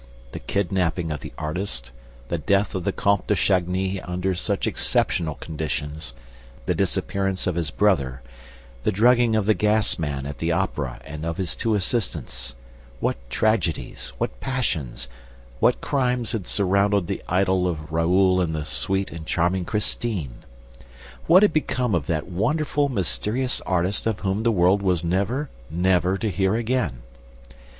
The kidnapping of the artist, the death of the Comte de Chagny under such exceptional conditions, the disappearance of his brother, the drugging of the gas man at the Opera and of his two assistants: what tragedies, what passions, what crimes had surrounded the idyll of Raoul and the sweet and charming Christine! ... What had become of that wonderful, mysterious artist of whom the world was never, never to hear again?